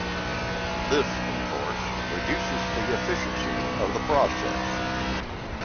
This, of course, reduces the efficiency of the process.